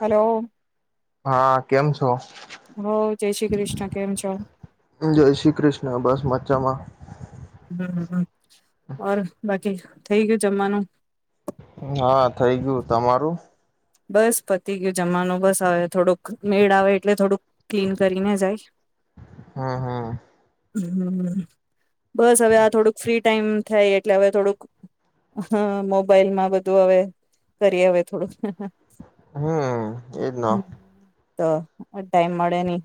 હાલો. હા, કેમ છો? જય શ્રી કૃષ્ણ કેમ છો જય શ્રી કૃષ્ણ, બસ મજા માં. [inaudible] થઈ ગયું જમવાનું? હા થઈ ગયું, તમારું? બસ પતી ગયું જમવાનું. બસ આવે થોડોક મેળ આવે એટલે થોડુંક ક્લીન કરીને જાય. હા, હા. બસ હવે આ થોડુંક ફ્રી ટાઈમ થાય એટલે હવે થોડુંક હ મોબાઈલમાં બધું હવે કરીએ હવે થોડુંક. હમ્મ, એ જ ને. તો, ટાઈમ મળે ની.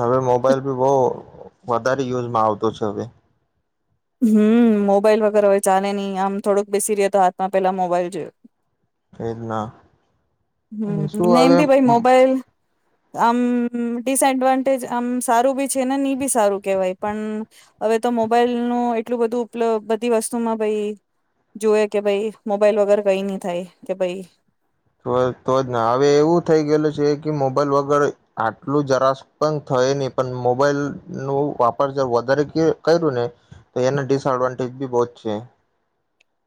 હવે મોબાઈલ ભી બવ વધારે યુઝમાં આવતો છે હવે. હમ્મ, મોબાઈલ વગર હવે ચાલે નહિ આમ થોડુંક બેસી રેતા હાથમાં પેલા મોબાઈલ જોઈ. એજ ના હમ્મ, નેમ શું ભી ભઈ મોબાઈલ આમ ડિસએડવાન્ટેજ, આમ સારું બી છે, ને ની બી સારું કેહવાય. પન અવે તો મોબાઈલ. નું એટલું બધું ઉપલબ બધી વસ્તુમાં ભાઈ જોવે કે ભાઈ મોબાઈલ વગર કંઈ નીં થાય, કે ભાઈ તો. તો જ ને, હવે એવું થઈ ગયેલું છે કે મોબાઈલ વગર આટલું જરાસ પણ થાય નહી, પણ મોબાઈલનો વાપર જો વધારે કયરુ ને તો એના ડિસએડવાન્ટેજ બી બો જ છે.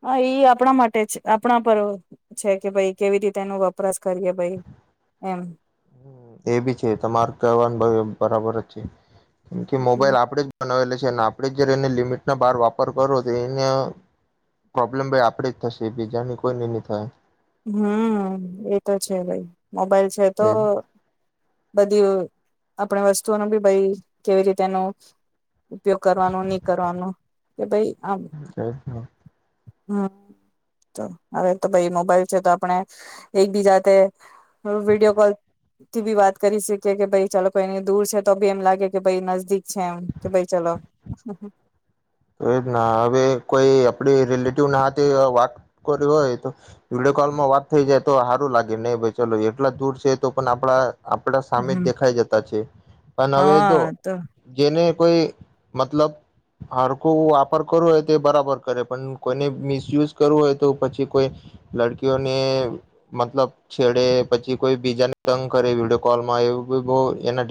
હા, એ ઈ આપણા માટે, આપણા પર છે, કે ભાઈ કેવી રીતે એનો વપરાશ કરીએ ભઈ, એમ. એ બી છે. તમાર કેવાનું ભાઈ બરાબર જ છે. કેમકે મોબાઈલ આપડે જ બનાવેલી છે. આપણે જ જ્યારે એને લિમિટ ના બાર વાપર કરો, તો એને પ્રોબ્લેમ ભાઈ આપડે જ થશે, બીજાને કોઈને ની થાય. હમ એ તો છે ભાઈ. મોબાઈલ છે તો એજ બધી આપણે વસ્તુઓ ન બી ભાઈ કેવી રીતેનું ઉપયોગ કરવાનો નહી કરવાનો કે, ભાઈ આમ હમ તો હરે તો ભ મોબાઈલ છે તો આપણે, એકબીજા તે વિડીયો કોલથી બી વાત કરી શકીએ કે ભાઈ ચાલો કોઈની દૂર છે તો ભી એમ લાગે કે ભ નજદીક છે એમ કે ભાઈ ચલો. તો એ જ ના હવે કોઈ આપડી રિલેટિવ ના હાથે વાત કરીવી હોય તો, વિડીયો કોલમાં વાત થઈ જાય તો સારું લાગે નહી ભાઈ ચલો એટલા દૂર છે તો પણ આપડા આપડા સામે જ હમ દેખાઈ જતા છે, પણ હવે જો હા તો જેને કોઈ મતલબ હડકુ વાપર કરવું હોય તો બરાબર કરે પણ કોઈને મિસયુઝ કરવું હોય તો પછી કોઈ, લડકીઓને મતલબ છેડે પછી કોઈ બીજાને તંગ કરે વિડીયો કોલમાં એવું બ બ એના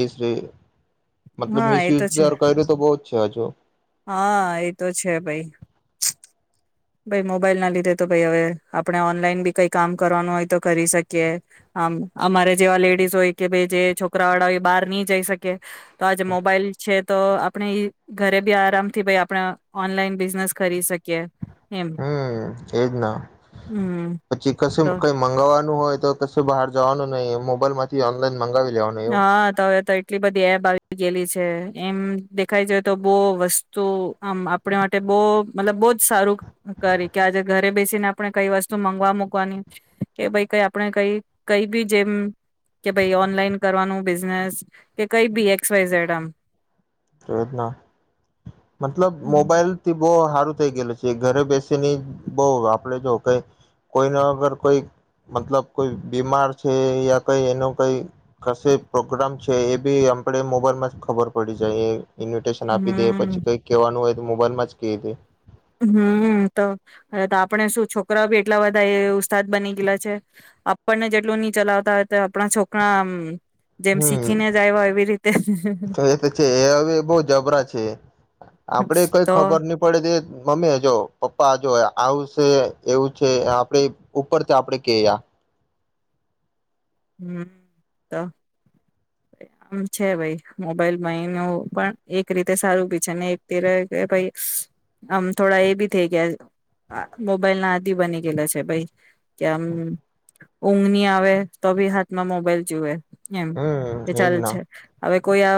મતલબ હા એ તો છે મિસયુઝ કર્યું તો બહ છ હજુ. હા એ તો છે ભાઈ. ભાઈ મોબાઈલ ના લીધે તો ભાઈ હવે આપણે ઓનલાઈન બી કઈ કામ કરવાનું હોય તો કરી શકીએ, આમ અમારે જેવા લેડીઝ હોય કે ભાઈ જે છોકરા વાળા હોય બહાર નહી જઈ શકીએ તો આજે મોબાઈલ છે તો આપણે ઘરે બી આરામથી ભાઈ આપણે ઓનલાઈન બિઝનેસ કરી શકીએ. એમ હમ એજ ના, હમ પછી કશે તો કઈ મગાવવાનું હોય તો કશું બહાર જવાનું નહી મોબાઈલમાંથી ઓનલાન હા તવે તઈ એટલી બધી એપ આવી ગયેલી છે એમ દેખાય જ તો બહુ વસ્તુ આમ આપણે માટે બહ મતલબ બહુ જ સારું કરી કે આજે ઘરે બેસીને આપણે કઈ વસ્તુ મગવા મૂકવાની, કે ભાઈ કઈ આપણે કઈ કઈ બી જેમ કે ભાઈ ઓનલાઈન કરવાનું બિઝનેસ, કે કઈ બીએક્સ વાઈઝડમ. રીના મતલબ હમ મોબાઈલ થી બહ હાર ચાલુ થઈ ગયેું છે ઘરે બેસીની બહ આપડે જો કે, કોઈને વગર કોઈ મતલબ કોઈ બીમાર છે યા કઈ એનો કઈ કશે પ્રોગ્રામ છે એ બી આપણે મોબાઈલમાં જ ખબર પડી જાય એ. ઇન્વિટેશન આપી દે પછી કઈ કેવાનું હો મોબાઈલમાં જ કેય દે. હમ તો આપણે શું છોકરાઓ બી એટલા બધા એ ઉસ્તાદ બની ગયેલા છે, આપણને જેટલું નહ ચલાવતા હોય તો આપણા છોકરા જેમ હમ, શીખીને જ આવ્યા એવી રીતે તો એ તો છે એ હવે બહ જબરા છે, આપડે કઈ તો ખબર નહી પડે તો મમ્મી જો પપ્પા જો આવશે એવું છે આપણે ઉપરથી આપડે કેયા. હમ તો, આમ છે ભાઈ મોબાઈલ બનું પણ એક રીતે સારું બી છે ને એક કે ભાઈ આમ, થોડા એ ભી થ કે મોબાઈલ ના આદિ બની ગયેલા છે ભાઈ, કે આમ ઊંઘની આવે તો ભી હાથમાં મોબાઈલ જુએ. એમ, એ હમ એજ ચાલ ના છે હવે કોઈ આ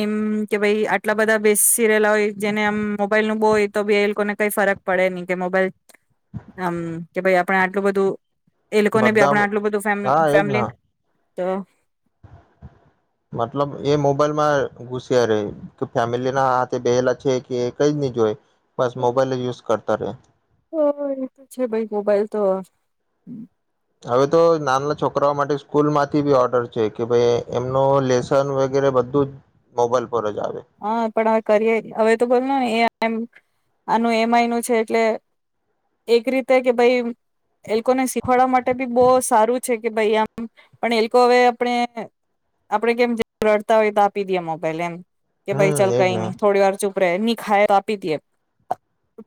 એમ કે ભાઈ આટલા બધા બેસ સિરયલા હોય જેને આમ મોબાઈલ નું બોય તો બી એ લોકોને કઈ ફરક પડે નહી, કે મોબાઈલ આમ કે ભાઈ આપણે આટલું બધું એ લોકોને બી બધા આપડ આટલું બધું ફેમ હા એજ ફેમિલી ના. તો. [inaudible] મતલબ એ મોબાઈલમાં ઘુસ્યા રે કે ફેમિલી ના હાથે બેહેલા છે કે એ કઈ જ નહી જોય. બસ મોબાઈલ યુઝ કરતા ત્યારે. હ, એ તો છે ભાઈ, મોબાઈલ તો હવે તો નાના ના છોકરાઓ માટે સ્કૂલમાંથી બી ઓર્ડર છે, કે ભાઈ એમનું લેસન વગેરે બધું જ મોબાઈલ પર જ આવે હા પણ હવે કરીએે, હવે તો બોલ ને [unintelligible] એમ આનું એમ આઈ નું છે, એટલે એક રીતે કે ભાઈ એ લોકોને શીખવાડવા માટે બી બહુ સારું છે, કે ભાઈ આમ, પણ એ લોક હવે આપણે આપણે કેમ, જે રડતા હોય તો આપી દીએ મોબાઈલ એમ. કે ભાઈ, હમ ચાલ એજ કંઈ ને નંઈ. થોડી વાર ચૂપ પ રે. ની ખાઈ તો આપી દીએ.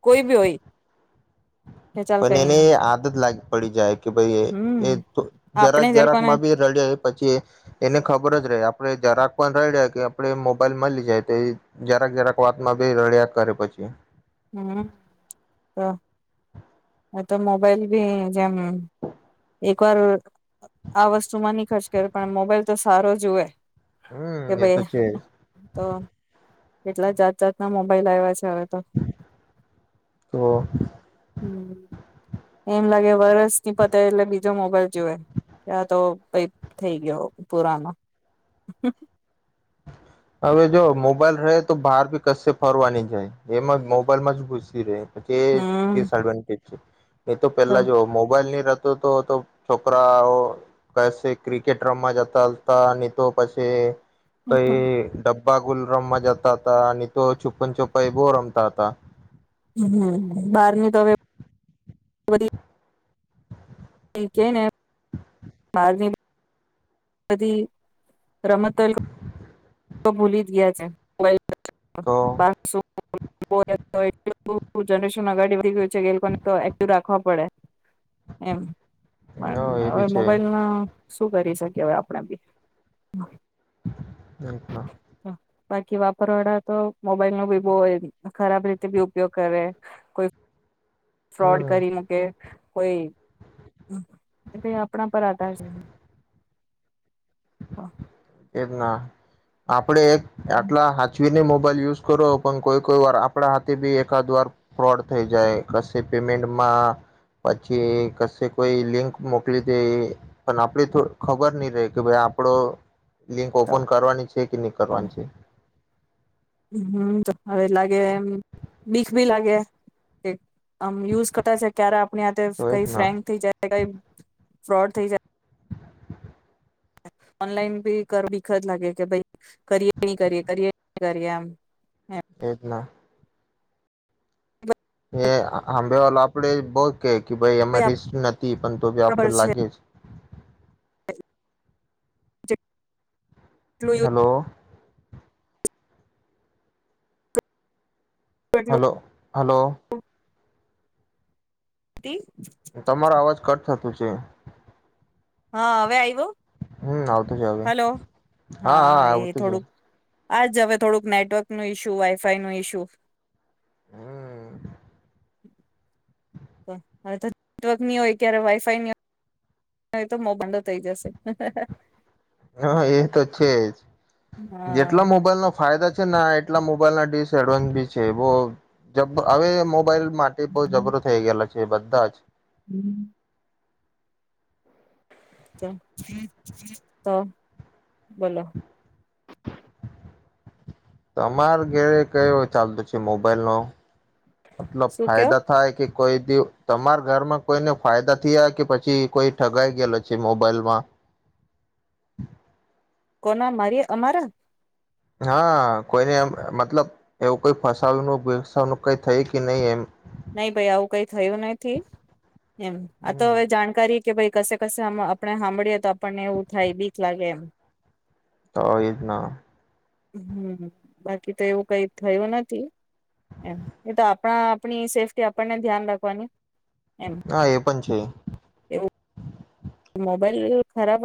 કોઈ બી હોય. કે ચાલ પન કઈ એને નઈ એ આદત લાગ પડી જાય, કે ભાઈ હમ એ જરાક આપણે જે લોકોને જરાકમાં બી રડ્યા, પછી એને ખબર જ રહે આપણે જરાક પણ રડ્યા કે આપે મોબાઈલ મલી જાય, તો એજરાક જરાક વાતમાં ભી રડ્યા કરે પછી. હમ, તો. હ તો મોબાઈલ ભી જેમ એકવાર આ વસ્તુમાં ની ખર્ચ કરે, પણ મોબાઈલ તો સારો જુવે. કે હમ એ તો ભાઈ છે તો. કેટલા જાત જાતના મોબાઈલ આયવા છે. હવે તો તો. હ, એમ લાગે વરષ ની પતે એટલે બીજો મોબાઈલ જોવે, કે આ તો કઈ થઈ ગ્યો, પુરાનો. હં, હં, હં. હવે જો મોબાઈલ રહે તો બહાર ભી કશે ફરવા ની જાય, એમાં મોબાઈલમાં જ ઘુસી રહે. એ હમ ડિસએડવાન્ટેજ છે. એ તો પેલા જો હમ મોબાઈલ ની તો તો તો, છોકરાઓ કસે ક્રિકેટ રમવા જતા હતા, ની તો પછી કઈ ડ બાગુલ રમવા જતા હતા, અને તો છુપ્પન છુપ્પાઈ બો રમતા હતા. હમ, બહાર ની તો હવે બધી. એ કેને બારવી. પતિ. લોકો ભૂલી જ ગ્યા છે. તો મોબાઈલ બો જનરેશન અગાડી વધી ગયું છે કે એ લોકોને તો એક્ટિવ રાખવા પડે. એમ, પણ એ હવે બી છે મોબાઈલ ન શું કરી સકીએ અવે આપડે બી? હમ્મ. બાકી વાપરવાવાળા તો મોબાઈલ નો બી બો ખરાબ રીતે બી ઉપયોગ કરે. કોઈ હમ ફ્રોડ કરી મ કે કોય, અમ, કેમ કે આપ [unintelligible] હા. કે ના, આપ આપડે આટલા હાચ વીને મોબાઈલ યુઝ કરો પણ કોઈ કોઈ વાર આપણા હાથે બી એકાદ વાર ફ્રોડ થઈ જાય કશે પેમેન્ટમાં પછી કશે કોઈ લિંક મોકલી દે પણ આપડ ખબર નહી રહે કે ભાઈ આપડો. લિંક ઓપન કરવાની છે. તે કેની કરવાની છે. હમ તો હવે લાગે એમ બીખ ભી લાગે એક. આમ યુઝ કરતા છે ક્યારે આપણી આ તો એજ કઈ ના ફ્રેન્ક થઈ જાય કઈ. ફ્રોડ થઈ જાય. ઓનલાઈન ભી કર ભીખ જ લાગે કે ભાઈ કરીએ નહી કરીએ કરીએ ન કરીએ એમ. એજ ના. એ આંબે આપડે બોહ. કે કે ભાઈ એમાં રિસ્ક નથી પણ તો ભી આપડે બરાબર છે લાગે. ્ જે. હલો. યુઝ એટલું હલો. હલો. તે. થ તુ છે. હા હવે આવ્યુ. હમ્મ આવતું છે, હવે હા હા આવતું છે. આ જ હવે થોડુંક નેટવર્ક નું ઇશુ વાઈફાઈ નું ઇશુ. હમ હવે તો નેટવર્ક ની હોય ક્યારે વાઈફાઈ ની હોય હોય તો [unintelligible] થઈ જશે, હા હા હા. હા એ તો છે, જ હા જેટલો મોબાઈલ નો ફાયદા ના એટલા મોબાઈલ ના ડીશ એડવાન્સ છે, બો જ હવે મોબાઈલ માટે બો જબરો થઈ ગયેલા છે, બધા જ. હમ્મ. તા [inaudible] બોલો. તમારે ઘરે કયો ચાલતો છે, મોબાઈલ નો. મતલબ શું કેવ ફાયદા થાય કે કોઈ તે તમારા ઘરમાં કોઈને ફાયદા થયા કે પછી કોઈ ઠગાઈ ગયેલો છે, મોબાઈલમાં. કોના મારી અમારા. હા કોઈને એમ મતલબ એવું કઈ ફસાવનું [unintelligible] કઈ થઈ કે નહી એમ. નહી ભાઈ આવું કઈ થયું નથી એમ આ તો હમ હવે જાણકારી કે ભાઈ કસે કસે આમ આપણે સાંભળીએ તો પણ એવું થાય બીક લાગે એમ. તો એ જ ના. હમ બાકી તો એવું કઈ થયું નથી એમ એ તો આપણા આપણી સેફ્ટી આપણને ધ્યાન રાખવાની એમ હા એ પણ છ. છે. એવું મોબાઈલ ખરાબ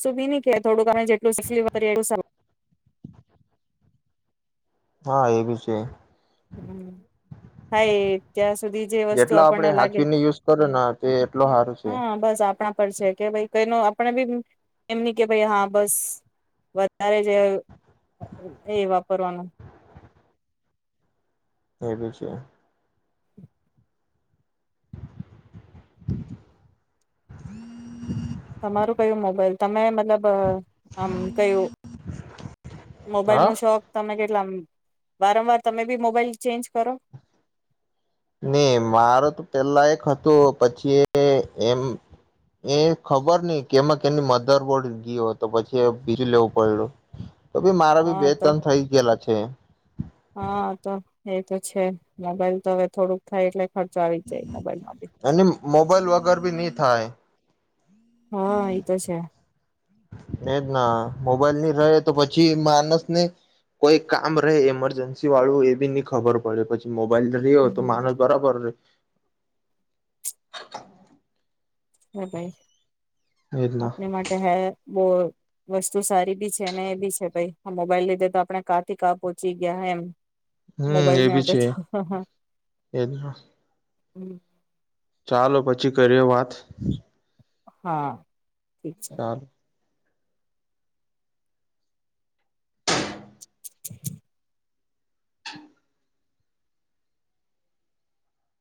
સી બી ની કહેવાય થોડુંક અમે જેટલું [unintelligible] વાપરીએ એટલું સારું. હા એ બી છે. હમ્મ, હાય ત્યાં સુધી જે વસ્તુ જેટલો આપડે આપણને લાગે હાચવીને યુઝ કરો ને તે એટલો સારું છે હા બસ આપણા પડશે, કે ભાઈ કઈ નો આપણે બી એમની કે ભાઈ હા બસ વધારે જે એ [unintelligible] એ વાપરવાનું. એવી છે. તમારું કયું મોબાઈલ? તમે મ મતલબ આમ કયું, મોબાઈલ હા નો શોખ તમે કે જો આમ વારંવાર તમે બી મોબાઈલ ચેન્જ કરો? ને મારો તો પેલા એક હતું પછી એ એમ એ ખબર નહી, કેમાં કે એની મધરબોર્ડ ગયો તો પછી બીજું લેવું પયડુ. તો ભી મારા બી હા બે તો ત્રણ થઇ ગયેલા છે. હા તો એ તો છે. મોબાઈલ તો હવે થોડુંક થાય એટલે ખર્ચા આવી જાય, મોબાઈલ માં બી બાઈલ વગર બી નીં થાય હા, એ તો છે. એજ ના. મોબાઈલ ની રહે તો પછી માનસને કોઈ કામ રહે ઈમરજન્સીવાળું, એ બી ની ખબર પડે પછી મોબ [unintelligible] હો તો માણસ હમ બરાબર હ ભાઈ એજ ના આપણી માટે હે બહુ વસ્તુ સારી બી છે, અને એ બી છે ભાઈ. આ મોબાઈલ લીધે તો આપણે કાં થી કાં પહોંચી ગયા એમ. હમ, મોબાઈલ એ બી મેળવતો છે. તો એજ હમ ચાલો, પછી કરીયે વાત. હા. ઠીક છે. ચાલ